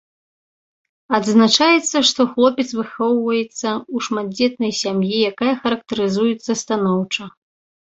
Адзначаецца, што хлопец выхоўваецца ў шматдзетнай сям'і, якая характарызуецца станоўча.